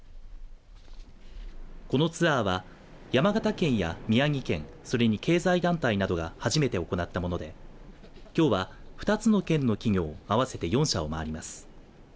このツアーは、山形県や宮城県それに経済団体などが初めて行ったものできょうは２つの県の企業合わせて４社を回ります。